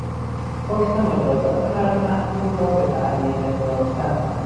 حکم مجازات مرد محکوم را به تعویق انداختن